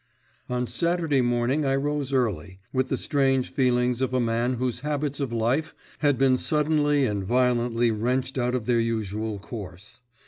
On Saturday morning I rose early, with the strange feelings of a man whose habits of life had been suddenly and violently wrenched out of their usual course.